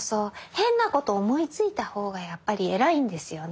変なことを思いついた方がやっぱり偉いんですよね。